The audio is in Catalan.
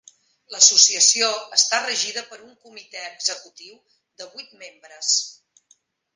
L'associació està regida per un comitè executiu de vuit membres.